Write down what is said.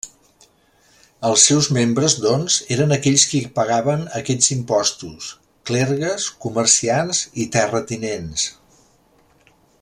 Els seus membres, doncs, eren aquells qui pagaven aquests impostos: clergues, comerciants i terratinents.